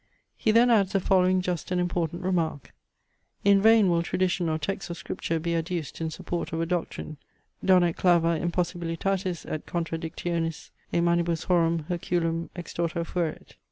He then adds the following just and important remark. "In vain will tradition or texts of scripture be adduced in support of a doctrine, donec clava impossibilitatis et contradictionis e manibus horum Herculum extorta fuerit.